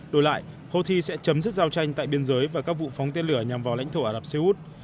đổi lại houthi sẽ chấm dứt giao tranh tại biên giới và các vụ phóng tên lửa nhằm vào lãnh thổ ả rập xê út